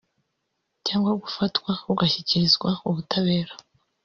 cyangwa gufatwa ugashyikirizwa ubutabera